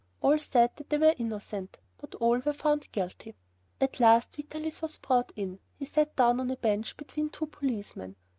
All said that they were innocent, but all were found guilty. At last Vitalis was brought in. He sat down on a bench between two policemen.